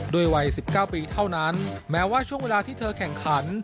ด้วยวัยสิบเก้าปีเท่านั้นแม้ว่าช่วงเวลาที่เธอแข่งขัน